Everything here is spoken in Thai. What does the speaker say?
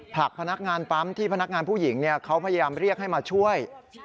ผลักพนักงานปั๊มที่พนักงานผู้หญิงเขาพยายามเรียกให้มาช่วย